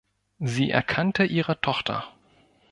Sie erkannte ihre Tochter.